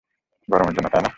গরমের জন্য, তাই না?